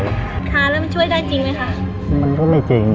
คร้าล่ะช่วยได้จริงไหมคะ